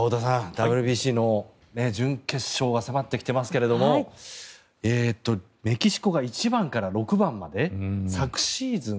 ＷＢＣの準決勝が迫ってきていますがメキシコが１番から６番まで昨シーズン